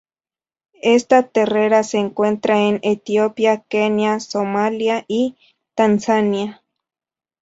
Esta terrera se encuentra en Etiopía, Kenia, Somalía, y Tanzania.